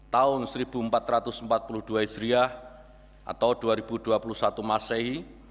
tahun seribu empat ratus empat puluh dua hijriah atau dua ribu dua puluh satu masehi